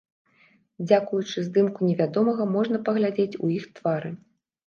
Дзякуючы здымку невядомага можна паглядзець у іх твары.